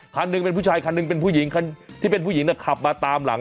คันหนึ่งเป็นผู้ชายคันหนึ่งเป็นผู้หญิงคันที่เป็นผู้หญิงขับมาตามหลัง